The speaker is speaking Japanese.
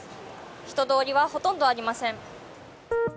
人通りはほとんどありません。